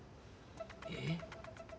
えっ？